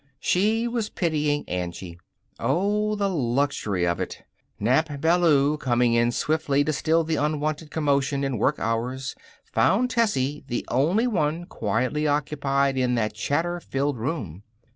She was pitying Angie. Oh, the luxury of it! Nap Ballou, coming in swiftly to still the unwonted commotion in work hours, found Tessie the only one quietly occupied in that chatter filled room.